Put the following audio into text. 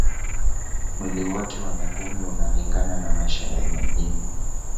Mwili wote wa Nyangumi unalingana na maisha ya majini